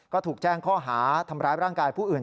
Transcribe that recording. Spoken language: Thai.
ก็ถูกแจ้งข้อหาทำร้ายร่างกายผู้อื่น